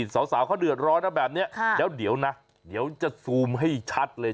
สาวเขาเดือดร้อนนะแบบนี้แล้วเดี๋ยวนะเดี๋ยวจะซูมให้ชัดเลย